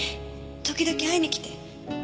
時々会いに来て。